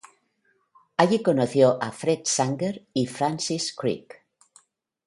Allí conoció a Fred Sanger y Francis Crick.